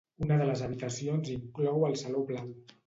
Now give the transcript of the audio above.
Una de les habitacions inclou el Saló Blau.